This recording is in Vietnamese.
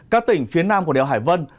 các tỉnh phía nam của đèo hải vân